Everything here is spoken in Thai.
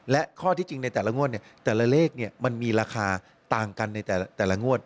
และข้อที่จริงในแต่ละงวดเนี่ยแต่ละเลขมันมีราคาต่างกันในแต่ละงวด